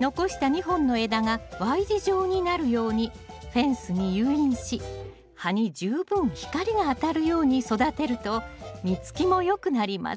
残した２本の枝がＹ字状になるようにフェンスに誘引し葉に十分光が当たるように育てると実つきもよくなります。